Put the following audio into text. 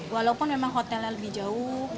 walaupun memang hotelnya lebih jauh